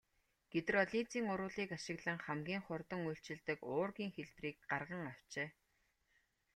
Гидролизын урвалыг ашиглан хамгийн хурдан үйлчилдэг уургийн хэлбэрийг гарган авчээ.